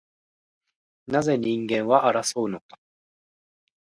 なぜ人間は争うのか